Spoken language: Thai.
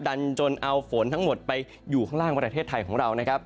ดันจนเอาฝนทั้งหมดไปอยู่ข้างล่างประเทศไทยของเรานะครับ